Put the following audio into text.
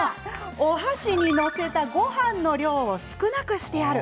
お箸に載せた、ごはんの量を少なくしてある。